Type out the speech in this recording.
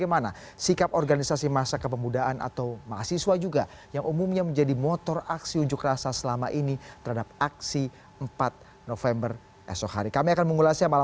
masalahnya seperti ahok sudah diperiksa